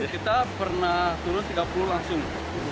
kita pernah turun tiga puluh langsung